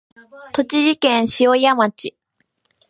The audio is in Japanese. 栃木県塩谷町